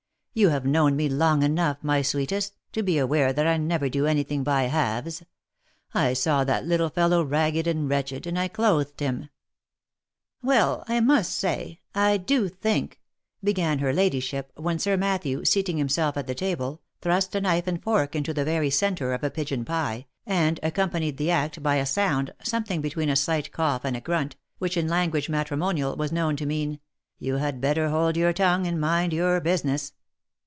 You have known me long enough, my sweetest, to be aware that I never do any thing by halves — I saw that little fellow ragged and wretched, and I clothed him !"" Well, I must say, I do think —" began her ladyship, when Sir Matthew, seating himself at the table, thrust a knife and fork into the very centre of a pigeon pie, and accompanied the act by a sound, something between a slight cough and a grunt, which, in ' language matrimonial, was known to mean, ;' You had better hold your tongue and mind your business."